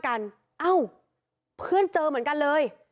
เอ้าเพื่อนเจอเหมือนกันเลย